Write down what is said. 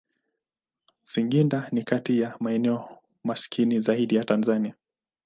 Singida ni kati ya maeneo maskini zaidi ya Tanzania.